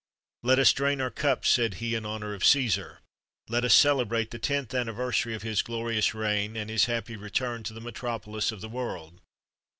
"Let us drain our cups," said he, "in honour of Cæsar. Let us celebrate the tenth anniversary of his glorious reign, and his happy return to the metropolis of the world.